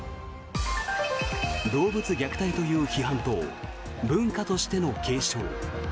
動物虐待という批判と文化としての継承。